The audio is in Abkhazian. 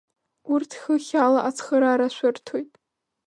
Урҭ хыхь ала ацхыраара шәырҭоит.